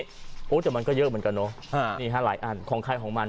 แต่มันก็เยอะเหมือนกันเนอะนี่ฮะหลายอันของใครของมัน